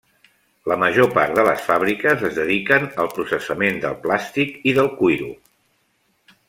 La major part de les fàbriques es dediquen al processament del plàstic i del cuiro.